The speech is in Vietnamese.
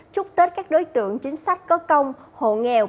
chúc tết các đối tượng chính sách có công hộ nghèo